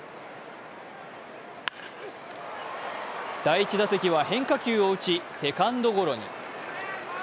第１打席は変化球を打ち、セカンドゴロに。